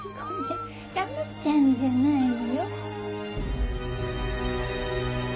ラムちゃんじゃないのよ。